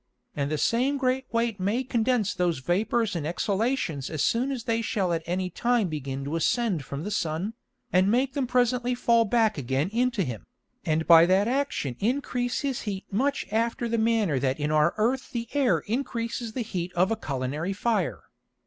And the same great weight may condense those Vapours and Exhalations as soon as they shall at any time begin to ascend from the Sun, and make them presently fall back again into him, and by that action increase his Heat much after the manner that in our Earth the Air increases the Heat of a culinary Fire.